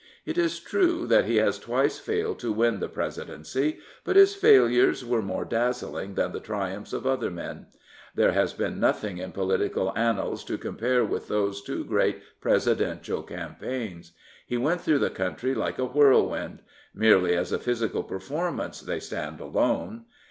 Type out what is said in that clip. It is true that he has twice failed to win the Presidency; but his failures were more dazzling than the triumphs of other men. There has been nothing in political annals to compare with those two great presidential campaigns. He went through the country like a whirlwind. Merely as a physical performance they stand alone.